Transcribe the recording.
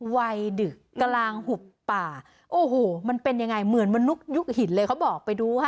ดึกกลางหุบป่าโอ้โหมันเป็นยังไงเหมือนมนุษย์ยุคหินเลยเขาบอกไปดูค่ะ